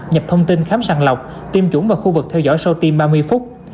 nhập thông tin khám sàng lọc tiêm chủng vào khu vực theo dõi sau tiêm ba mươi phút